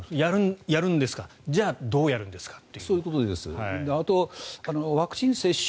やるんですかじゃあどうやるんですかと。